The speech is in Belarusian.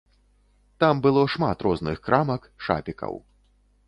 Там было шмат розных крамак, шапікаў.